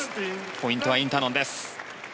ポイントはインタノンです。